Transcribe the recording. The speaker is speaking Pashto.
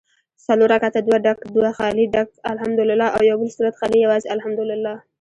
څلور رکعته دوه ډک دوه خالي ډک الحمدوالله او یوبل سورت خالي یوازي الحمدوالله